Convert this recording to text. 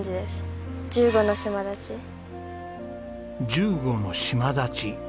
１５の島立ち。